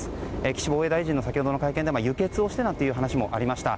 岸防衛大臣の先ほどの会見では輸血をしてなんて話がありました。